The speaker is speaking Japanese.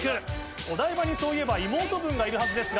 お台場にそういえば妹分がいるはずですが。